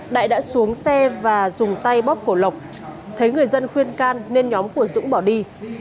đại đã xuống xe và dùng tay bóp cổ lộc thấy người dân khuyên can nên nhóm của dũng bỏ đi